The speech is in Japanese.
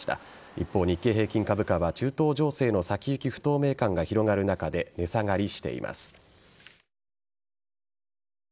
一方、日経平均株価は中東情勢の先行き不透明感が広がる中で値下がりしています。